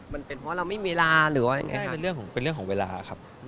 มันเป็นเพราะเรามีเวลาหรือยังไงเป็นเรื่องของเวลาครับ